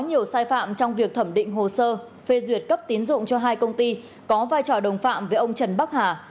có nhiều sai phạm trong việc thẩm định hồ sơ phê duyệt cấp tín dụng cho hai công ty có vai trò đồng phạm với ông trần bắc hà